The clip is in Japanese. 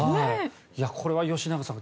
これは吉永さん